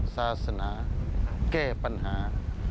ศาสนาแก้ปัญหา